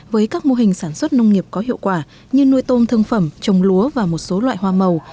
với các mô hình sản xuất nông nghiệp có hiệu quả như nuôi tôm thương phẩm trồng lúa và một số loại hoa màu